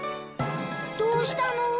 どうしたの？